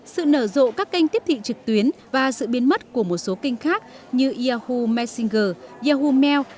sự nở rộ các kênh tiếp thị trực tuyến và sự biến mất của một số kênh khác như yahoo messenger yahoo mail